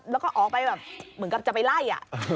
แล้วก็ออกไปแบบเหมือนกับจะไปไล่